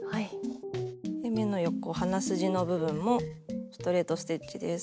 目の横鼻筋の部分もストレート・ステッチです。